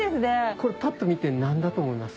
これパッと見て何だと思います？